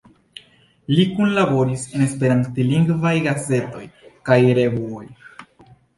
Li kunlaboris en esperantlingvaj gazetoj kaj revuoj.